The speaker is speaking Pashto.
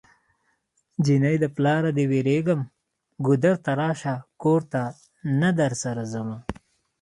جنۍ د پلاره دی ويريږم ګودر ته راشه کور ته نه درسره ځمه